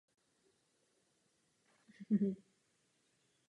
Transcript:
Byl členem výboru pro vzdělávání a kulturu a stal se místopředsedou Knesetu.